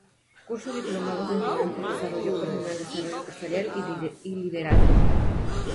Cursó diplomados en Finanzas, Desarrollo personal, Desarrollo empresarial y Liderazgo.